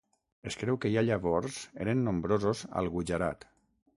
Es creu que ja llavors eren nombrosos al Gujarat.